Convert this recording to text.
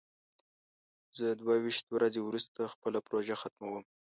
زه دوه ویشت ورځې وروسته خپله پروژه ختموم.